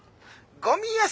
ゴミ屋敷